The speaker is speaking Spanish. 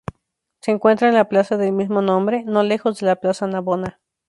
Se encuentra en la plaza del mismo nombre, no lejos de la plaza Navona.